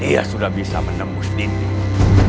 dia sudah bisa menembus dinding